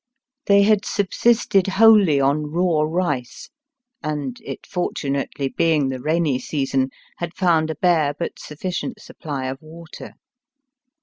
They had subsisted wholly on raw rice, and, it fortunately being the rainy season, had fouod a bare but sufficient supply of water.